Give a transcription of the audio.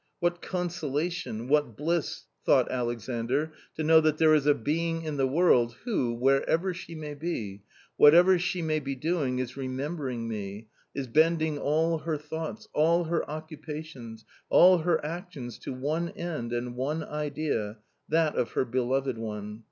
What consolation, what bliss, thought Alexandr to know that there is a being in the world, who, wherever she may be, whatever she may be doing, is re membering me, is bending all her thoughts, all her occupa tions, all her actions to one end and one idea — that of her beloved one